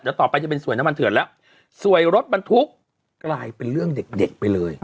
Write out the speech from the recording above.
เดี๋ยวต่อไปจะเป็นสวยน้ำมันเถื่อนแล้วสวยรถบรรทุกกลายเป็นเรื่องเด็กเด็กไปเลย